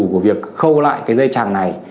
của việc khâu lại cái dây chẳng này